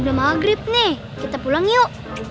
udah maghrib nih kita pulang yuk